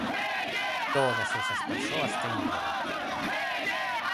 Todas esas persoas teñen dereito.